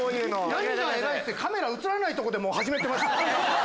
何が偉いって映らないとこでもう始めてましたよね。